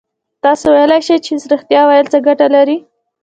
تاسو ویلای شئ چې رښتيا ويل څه گټه لري؟